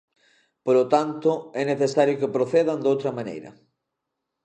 Polo tanto, é necesario que procedan doutra maneira.